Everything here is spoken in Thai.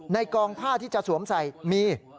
กองผ้าที่จะสวมใส่มี